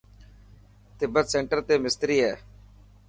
تبت سينٽر تي مستري هي.